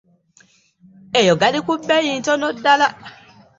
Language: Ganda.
Eyo gali ku bbeeyi ntono ddala.